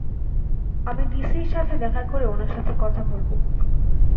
আমি ডিসির সাথে দেখা করে উনার সাথে কথা বলবো।